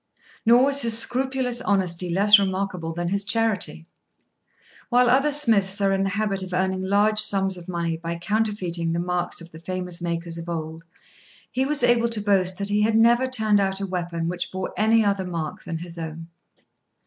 Nor was his scrupulous honesty less remarkable than his charity. While other smiths are in the habit of earning large sums of money by counterfeiting the marks of the famous makers of old, he was able to boast that he had never turned out a weapon which bore any other mark than his own.